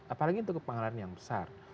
apalagi untuk kepengaruhan yang besar